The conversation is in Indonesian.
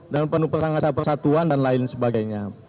dan penuh perangasa persatuan dan lain sebagainya